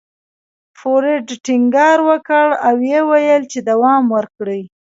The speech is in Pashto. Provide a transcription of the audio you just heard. فورډ ټينګار وکړ او ويې ويل چې دوام ورکړئ.